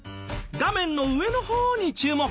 画面の上の方に注目！